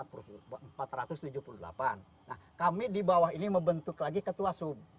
nah kami di bawah ini membentuk lagi ketua sub